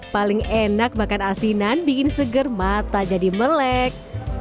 paling enak makan asinan bikin seger mata jadi melek